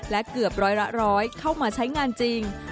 และเกือบร้อยละร้อยเข้ามาใช้งานจริง